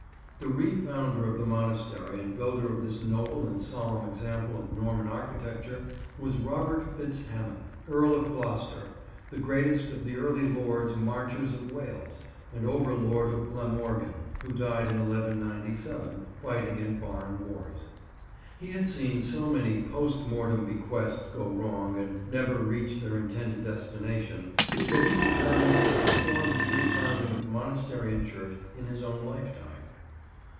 The re founder of the monastery and builder of this noble and solemn example of Norman architecture was Robert Fitz Hamon, Earl of Gloucester, the greatest of the early Lords Marchers of Wales, and overlord of Glamorgan, who died in 1197, fighting in foreign wars. He had seen so many post mortem bequests go wrong and never reach their intended destination that he determined to perform his re founding of monastery and church in his own lifetime.